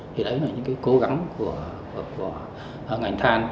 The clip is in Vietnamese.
thì đấy là những cố gắng của ngành than